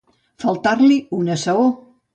Faltar-li una saó.